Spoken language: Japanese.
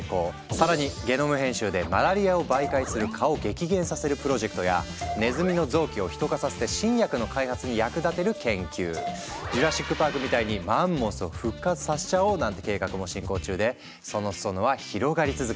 更にゲノム編集でマラリアを媒介する蚊を激減させるプロジェクトやネズミの臓器をヒト化させて新薬の開発に役立てる研究ジュラシック・パークみたいにマンモスを復活させちゃおうなんて計画も進行中でその裾野は広がり続けているんです。